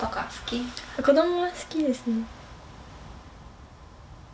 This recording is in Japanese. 子どもは好きですね。